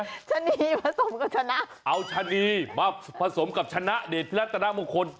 เอาชะนีผสมกับชะนะเอาชะนีมาผสมกับชะนะเด็ดที่รักตะนะบุคคล